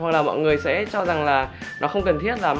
hoặc là mọi người sẽ cho rằng là nó không cần thiết lắm